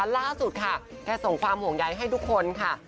ล่าสุดค่ะแกส่งความห่วงใยให้ทุกคนค่ะ